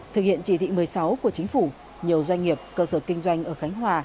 thực hiện chỉ thị một mươi sáu của chính phủ nhiều doanh nghiệp cơ sở kinh doanh ở khánh hòa